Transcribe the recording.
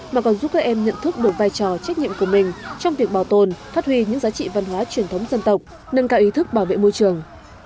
mà còn giúp các em nhận thức được vai trò trách nhiệm của mình trong việc bảo tồn phát huy những giá trị văn hóa truyền thống dân tộc nâng cao ý thức bảo vệ môi trường